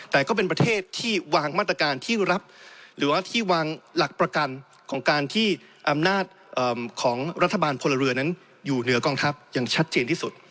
แต่ก็เป็นประเทศที่วางมาตรการที่รับหรือว่าที่วางหลักประกันของการที่อำนาจของรัฐบาลพลเรือนั้นอยู่เหนือกองทัพอย่างชัดเจนที่สุด